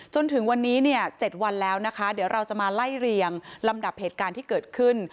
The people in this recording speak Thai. จนถึงวันนี้เนี่ย๗วันแล้วนะคะเดี๋ยวเราจะมาไล่เรียงลำดับเหตุการณ์ที่เกิดขึ้น